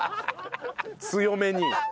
強めに。